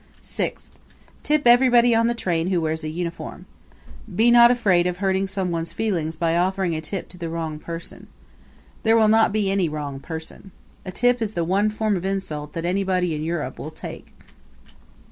Sixth Tip everybody on the train who wears a uniform. Be not afraid of hurting some one's feelings by offering a tip to the wrong person. There will not be any wrong person. A tip is the one form of insult that anybody in Europe will take.